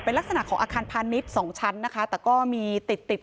เป็นลักษณะของอาคารพาณิชย์สองชั้นนะคะแต่ก็มีติดติด